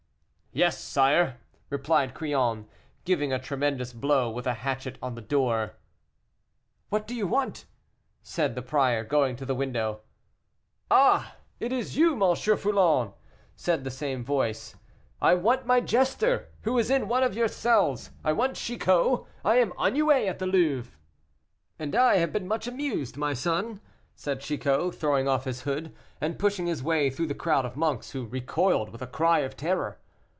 "Yes, sire," replied Crillon, giving a tremendous blow with a hatchet on the door. "What do you want?" said the prior, going to the window. "Ah! it is you, M. Foulon," replied the same voice, "I want my jester, who is in one of your cells. I want Chicot, I am ennuyé at the Louvre." "And I have been much amused, my son," said Chicot, throwing off his hood, and pushing his way through the crowd of monks, who recoiled, with a cry of terror.